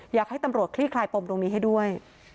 อยากให้ตำรวจคลี่คลายปมตรงนี้ให้ด้วย